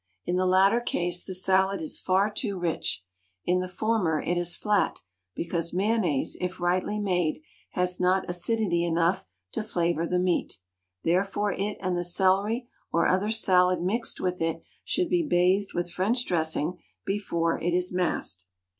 In the latter case the salad is far too rich; in the former it is flat, because mayonnaise, if rightly made, has not acidity enough to flavor the meat; therefore it and the celery or other salad mixed with it should be bathed with French dressing before it is masked.